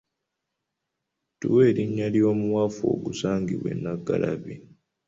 Tuwe erinnya ly’omuwafu ogusangibwa e Nnaggalabi